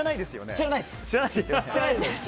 知らないです。